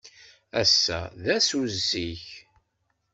Ass-a d ass uzzig.